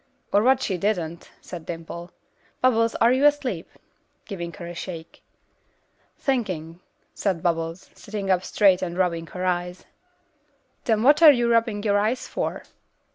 "Or what she didn't," said Dimple. "Bubbles, are you asleep?" giving her a shake. "Thinkin'," said Bubbles, sitting up straight and rubbing her eyes. "Then what are you rubbing your eyes for?"